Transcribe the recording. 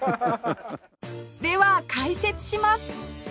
では解説します！